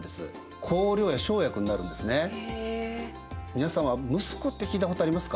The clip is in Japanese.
皆さんはムスクって聞いたことありますか。